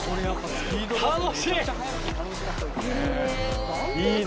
楽しい！